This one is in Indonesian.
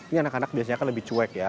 ini anak anak biasanya kan lebih cuek ya